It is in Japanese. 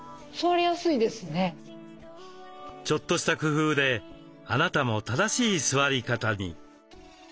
ちょっとした工夫であなたも正しい座り方に。